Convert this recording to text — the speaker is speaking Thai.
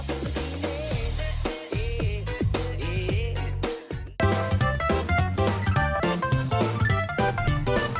โปรดติดตามตอนต่อไป